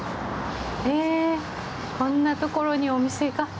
へえ、こんなところにお店が。